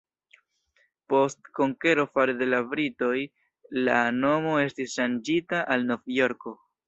Post konkero fare de la britoj la nomo estis ŝanĝita al Novjorko.